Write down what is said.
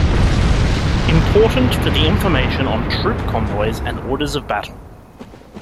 Important for the information on troop convoys and orders of battle.